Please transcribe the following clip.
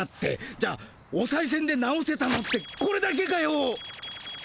じゃあおさいせんで直せたのってこれだけかよ。